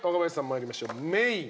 参りましょうメイン。